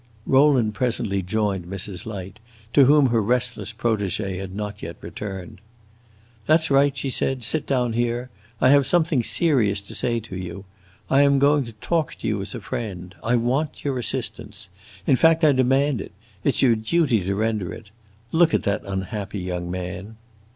Rowland presently joined Mrs. Light, to whom her restless protege had not yet returned. "That 's right," she said; "sit down here; I have something serious to say to you. I am going to talk to you as a friend. I want your assistance. In fact, I demand it; it 's your duty to render it. Look at that unhappy young man."